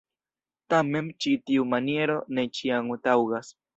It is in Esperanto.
Tamen, ĉi tiu maniero ne ĉiam taŭgas.